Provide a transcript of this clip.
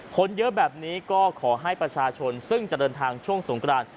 คนเยอะแบบนี้ก็ขอให้ประชาชนซึ่งจะเดินทางช่วงสงกราน